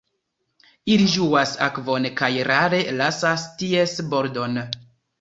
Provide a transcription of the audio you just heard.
Ili ĝuas akvon kaj rare lasas ties bordon.